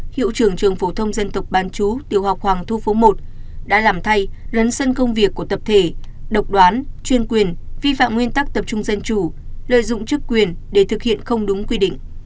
hiệu trưởng trường phổ thông dân tộc bán chú tiểu học hoàng thu phố một đã làm thay lấn sân công việc của tập thể độc đoán chuyên quyền vi phạm nguyên tắc tập trung dân chủ lợi dụng chức quyền để thực hiện không đúng quy định